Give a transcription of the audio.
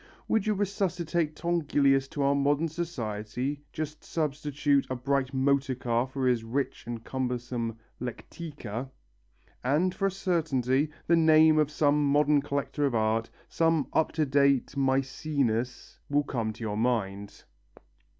Would you resuscitate Tongilius to our modern society just substitute a bright motor car for his rich and cumbersome lectica and, for a certainty, the name of some modern collector of art, some up to date Mæcenas, will come to your mind.